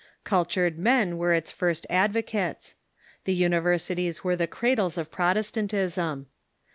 Cultured men were its first advocates. The universities were the Learning (ij.g^Jies of Protestantism.